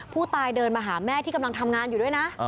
ผู้ตายเดินมาหาแม่ที่กำลังทำงานอยู่ด้วยนะ